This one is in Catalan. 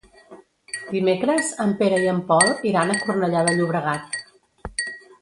Dimecres en Pere i en Pol iran a Cornellà de Llobregat.